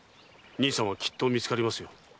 兄さんはきっと見つかりますよ。